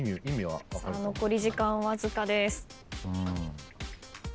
残り時間わずかです。